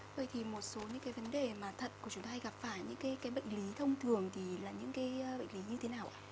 vậy thì một số những vấn đề mà thận của chúng ta hay gặp phải những bệnh lý thông thường thì là những bệnh lý như thế nào